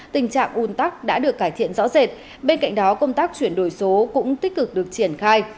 tình trạng un tắc đã được cải thiện rõ rệt bên cạnh đó công tác chuyển đổi số cũng tích cực được triển khai